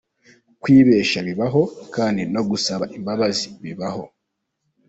Kwibeshya bibaho, kandi no gusaba imbabazi bibaho.